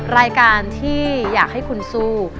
รายการที่อยากให้คุณสู้